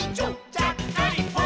ちゃっかりポン！」